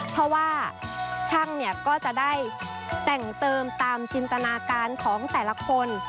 เพราะว่าช่างเนี่ยก็จะได้แต่งเติมตามจินตนาการของแต่ละคน